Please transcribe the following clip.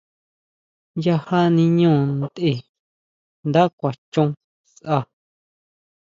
Yajá niño ntʼe, nda kuan chon sʼa.